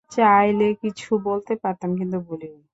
চাইলে কিছু বলতে পারতাম, কিন্তু বলিনি।